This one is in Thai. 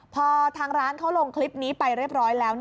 พอทางร้านเขาลงคลิปนี้ไปเรียบร้อยแล้ว